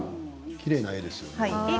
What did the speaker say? きれいな絵ですよね。